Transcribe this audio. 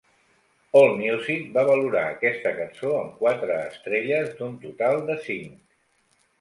"Allmusic" va valorar aquesta cançó amb quatre estrelles d'un total de cinc.